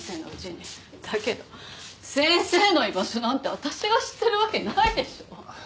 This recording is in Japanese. だけど先生の居場所なんて私が知ってるわけないでしょ。